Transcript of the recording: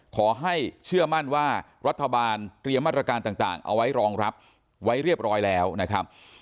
ขอให้เชื่อมั่นว่ารัฐบาลเตรียมมาตรการต่างเอาไว้รองรับไว้เรียบร้อยแล้วนะครับ